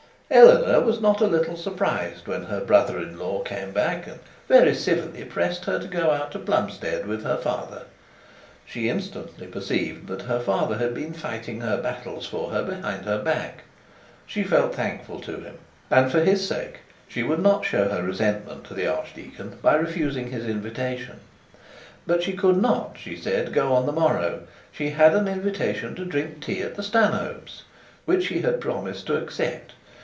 Eleanor was not a little surprised when her brother in law came back and very civilly pressed her to go out to Plumstead with her father. She instantly perceived that her father had been fighting her battles for her behind her back. She felt thankful to him, and for his sake she would not show her resentment to the archdeacon by refusing his invitation. But she could not, she said, go on the morrow; she had an invitation to drink tea at the Stanhopes which she had promised to accept.